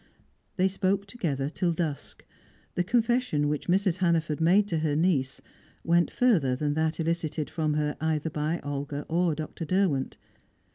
They spoke together till dusk. The confession which Mrs. Hannaford made to her niece went further than that elicited from her either by Olga or Dr. Derwent.